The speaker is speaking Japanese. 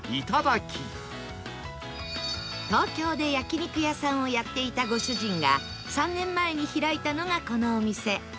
東京で焼肉屋さんをやっていたご主人が３年前に開いたのがこのお店